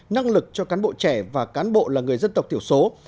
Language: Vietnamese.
năng lực cho cán bộ trẻ và cán bộ là người dân tộc thiểu số